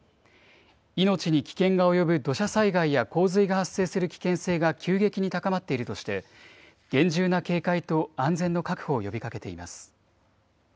命に危険が及ぶ土砂災害や洪水が発生する危険性が急激に高まっているとして、厳重な警戒と安全の確保を呼びかけています。